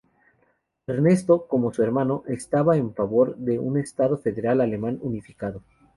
Ernesto, como su hermano, estaba en favor de un estado federal alemán unificado.